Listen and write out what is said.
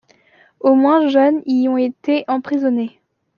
Au moins jeunes y ont été emprisonnés.